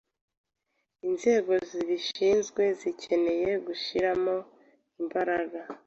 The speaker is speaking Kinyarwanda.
inzego zibishinzwe zikeneye gushiramo imbaraga